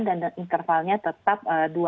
dan intervalnya tetap